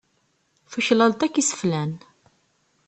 Tuklaleḍ akk iseflan.